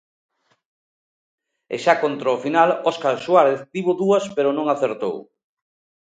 E xa contra o final, Óscar Suárez tivo dúas pero non acertou.